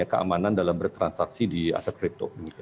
keamanan dalam bertransaksi di aset kripto